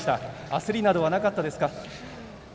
焦りなどはなかったですか。